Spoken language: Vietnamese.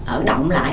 ở động lại